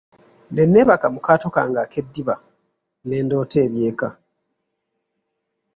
Ne neebaka mu kaato kange ak'eddiba ne ndoota eby'eka.